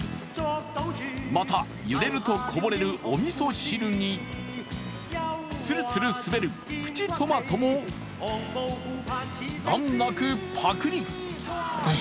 また、揺れるとこぼれるおみそ汁にツルツル滑るプチトマトも難なくパクリ。